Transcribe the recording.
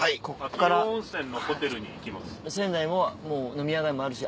仙台もう飲み屋街もあるし